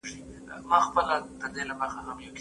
زه به د ژبي تمرين کړی وي!؟